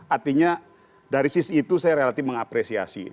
artinya dari sisi itu saya relatif mengapresiasi